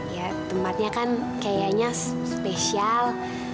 ya tempatnya kan kayaknya spesial